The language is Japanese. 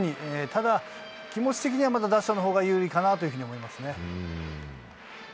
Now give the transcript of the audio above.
ただ、気持ち的にはまだ打者のほうが有利かなと思いますね。